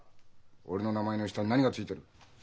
俺の名前の下に何が付いてる？